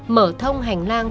mở thông hành lang